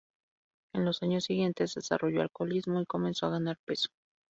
En los años siguientes desarrolló alcoholismo y comenzó a ganar peso.